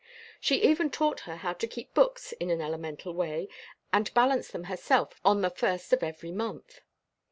She even taught her how to keep books in an elemental way and balanced them herself on the first of every month.